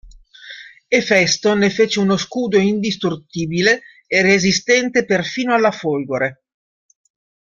Efesto ne fece uno scudo indistruttibile e resistente perfino alla folgore.